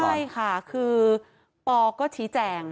ใช่ค่ะคือปอก็ชี้แจง